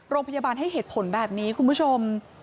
โรงพยาบาลให้เหตุผลแบบนี้คุณผู้ชม